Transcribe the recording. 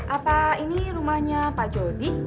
apa ini rumahnya pak jody